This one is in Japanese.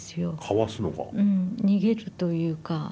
逃げるというか。